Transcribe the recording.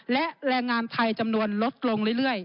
และแรงงานไทยจำนวนลดลงเรื่อย